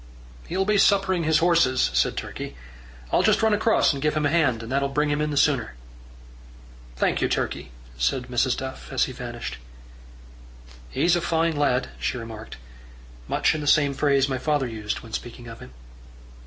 "He'll be suppering his horses," said Turkey. "I'll just run across and give him a hand, and that'll bring him in the sooner." "Thank you, Turkey," said Mrs. Duff as he vanished. "He's a fine lad," she remarked, much in the same phrase my father used when speaking of him.